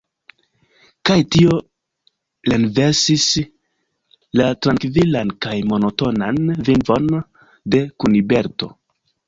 Kaj tio renversis la trankvilan kaj monotonan vivon de Kuniberto.